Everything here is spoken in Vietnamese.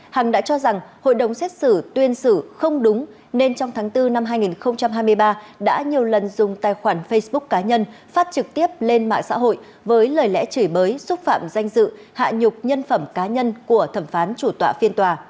hằng đã cho rằng hội đồng xét xử tuyên xử không đúng nên trong tháng bốn năm hai nghìn hai mươi ba đã nhiều lần dùng tài khoản facebook cá nhân phát trực tiếp lên mạng xã hội với lời lẽ chửi bới xúc phạm danh dự hạ nhục nhân phẩm cá nhân của thẩm phán chủ tọa phiên tòa